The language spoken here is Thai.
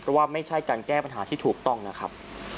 เพราะว่าไม่ใช่การแก้ปัญหาที่ถูกต้องนะครับ